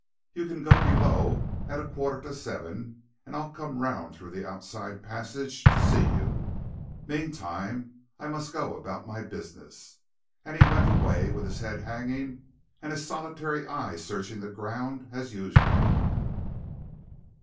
You can go below at a quarter to seven, and I'll come round through the outside passage to see you. Meantime, I must go about my business," and he went away with his head hanging and his solitary eye searching the ground as usual.